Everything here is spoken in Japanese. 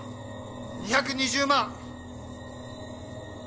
２２０万。